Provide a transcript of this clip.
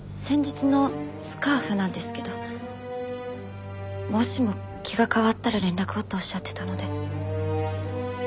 先日のスカーフなんですけどもしも気が変わったら連絡をとおっしゃってたので。